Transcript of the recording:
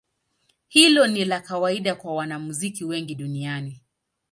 Hilo ni la kawaida kwa wanamuziki wengi duniani.